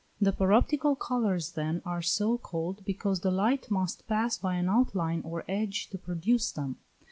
The paroptical colours then are so called because the light must pass by an outline or edge to produce them.